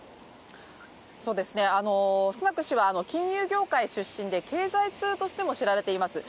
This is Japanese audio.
スナク氏は金融業界出身で経済通としても知られています。